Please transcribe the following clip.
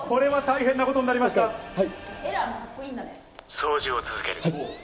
「掃除を続ける。